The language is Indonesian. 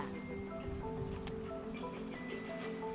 penanganan banjir termasuk rop yang tak kenal musim kemarau maupun penghujan